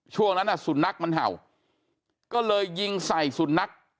ช่วงนั้นสุนัขมันเห่าก็เลยยิงใส่สุนัข